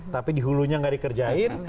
tapi di hulunya nggak dikerjain